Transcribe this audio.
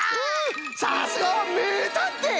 さすがはめいたんてい！